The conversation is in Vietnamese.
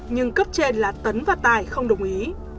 nhưng cấp trên là tấn và tài không đồng ý